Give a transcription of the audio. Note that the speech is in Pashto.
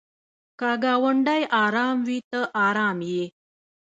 که ګاونډی ارام وي ته ارام یې.